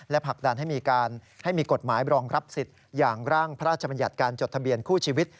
ผลักดันให้มีการให้มีกฎหมายรองรับสิทธิ์อย่างร่างพระราชบัญญัติการจดทะเบียนคู่ชีวิต